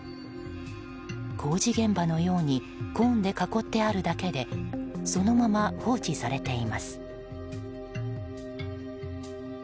工事現場のようにコーンで囲ってあるだけでそのまま放置されています。